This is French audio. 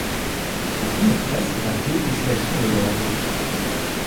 La première classe est la plus haute distinction de l’Ordre.